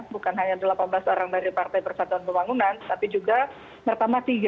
bukan hanya delapan belas orang dari partai persatuan pembangunan tapi juga pertama tiga